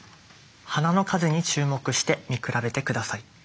花の数に注目して見比べて下さい。